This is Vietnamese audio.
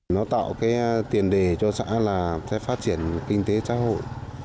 nó tạo cái tiền đề cho xã là phát triển kinh tế xã hội